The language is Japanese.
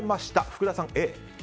福田さん、Ａ？